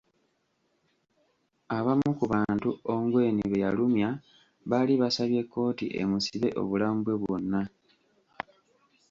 Abamu ku bantu Ongwen be yalumya baali basabye kkooti emusibe obulamu bwe bwonna.